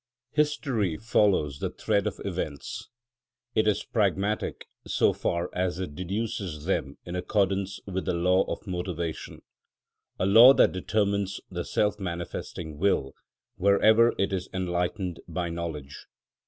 History follows the thread of events; it is pragmatic so far as it deduces them in accordance with the law of motivation, a law that determines the self manifesting will wherever it is enlightened by knowledge.